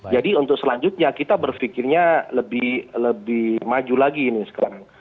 jadi untuk selanjutnya kita berpikirnya lebih maju lagi sekarang